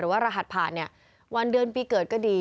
ว่ารหัสผ่านเนี่ยวันเดือนปีเกิดก็ดี